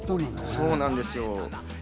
そうなんですよ。